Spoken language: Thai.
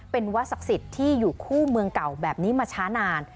เป็นวัดศักดิ์สิทธิ์ที่อยู่คู่เมืองเก่าแบบนี้มาช้านาน